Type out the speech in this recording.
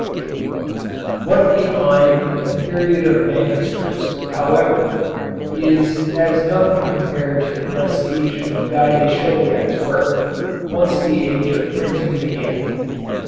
" What we find in the period of manuscripts, however, is as nothing compared to the prestige of Guy de Chauliac's work, once the age of printing began.